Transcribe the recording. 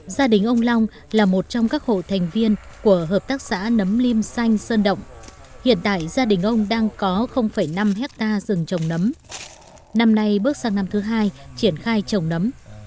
gia đình ông long là một trong các hộ thành viên của hợp tác xã nấm liêm xanh sơn động hiện tại gia đình ông đang có năm hectare rừng trồng nấm năm nay bước sang năm thứ hai triển khai trồng nấm